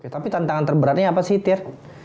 tapi tantangan terberatnya apa sih tir